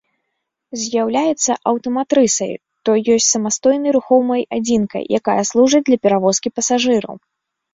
З'яўляецца аўтаматрысай, то ёсць самастойнай рухомай адзінкай, якая служыць для перавозкі пасажыраў.